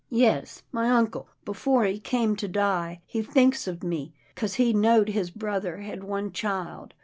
"" Yes my uncle, before he come to die', he thinks of me, 'cause he knowed his brother hed one child.